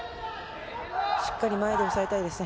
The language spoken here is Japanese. しっかり前で抑えたいですね。